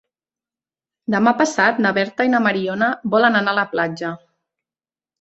Demà passat na Berta i na Mariona volen anar a la platja.